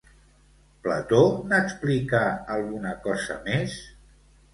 Plató n'explica alguna cosa més?